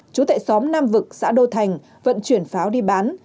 chú tại xóm nam vực xã đô thành vận chuyển pháo đi bán